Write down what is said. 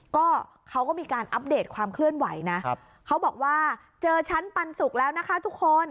ก็เขาก็มีการอัปเดตความเคลื่อนไหวนะเขาบอกว่าเจอชั้นปันสุกแล้วนะคะทุกคน